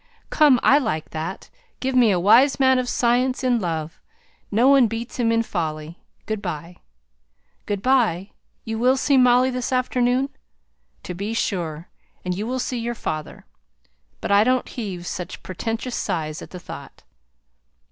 "Come, I like that. Give me a wise man of science in love! No one beats him in folly. Good by." "Good by. You will see Molly this afternoon!" "To be sure. And you will see your father. But I don't heave such portentous sighs at the thought."